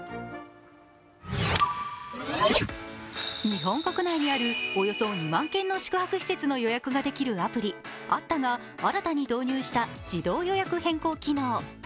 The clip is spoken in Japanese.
日本国内にあるおよそ２万件の宿泊施設の予約ができるアプリａｔｔａが新たに導入した自動予約変更機能。